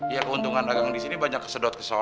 ya keuntungan dagang disini banyak kesedot kesono